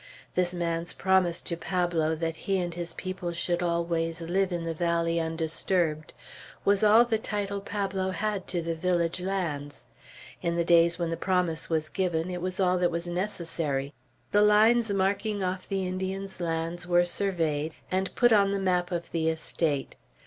This man's promise to Pablo, that he and his people should always live in the valley undisturbed, was all the title Pablo had to the village lands. In the days when the promise was given, it was all that was necessary. The lines marking off the Indians' lands were surveyed, and put on the map of the estate.